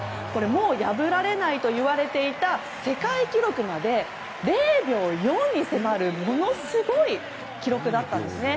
もう破られないといわれていた世界記録まで、０秒４に迫るものすごい記録だったんですね。